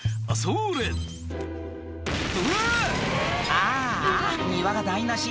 ああ庭が台無し